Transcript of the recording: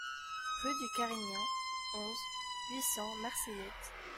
Rue du Carignan, onze, huit cents Marseillette